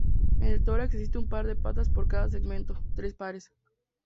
En el tórax existe un par de patas por cada segmento, tres pares.